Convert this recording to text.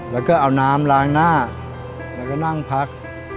แล้วก็เอาน้ำล้างหน้าแล้วก็นั่งพัก